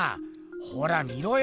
ほら見ろよ。